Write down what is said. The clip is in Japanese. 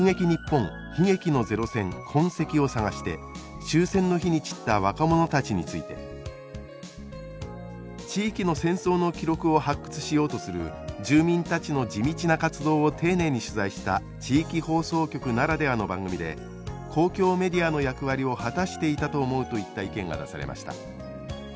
にっぽん「悲劇のゼロ戦痕跡を探して終戦の日に散った若者たち」について「地域の戦争の記録を発掘しようとする住民たちの地道な活動を丁寧に取材した地域放送局ならではの番組で公共メディアの役割を果たしていたと思う」といった意見が出されました。